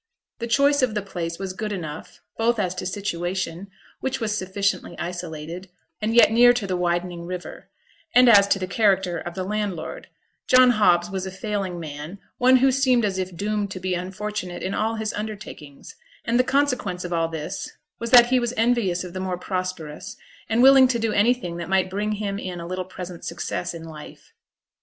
The choice of the place was good enough, both as to situation, which was sufficiently isolated, and yet near to the widening river; and as to the character of the landlord, John Hobbs was a failing man, one who seemed as if doomed to be unfortunate in all his undertakings, and the consequence of all this was that he was envious of the more prosperous, and willing to do anything that might bring him in a little present success in life.